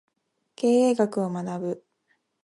経営学を学ぶ